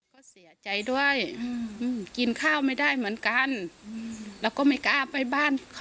ก็เสียใจด้วยอืมกินข้าวไม่ได้เหมือนกันแล้วก็ไม่กล้าไปบ้านเขา